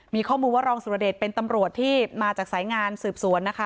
มีข้อมูลว่ารองสุรเดชเป็นตำรวจที่มาจากสายงานสืบสวนนะคะ